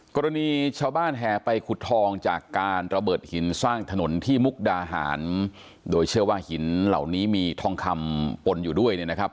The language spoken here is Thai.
กรณีชาวบ้านแห่ไปขุดทองจากการระเบิดหินสร้างถนนที่มุกดาหารโดยเชื่อว่าหินเหล่านี้มีทองคำปนอยู่ด้วยเนี่ยนะครับ